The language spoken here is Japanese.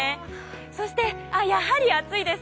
そして、やはり暑いです。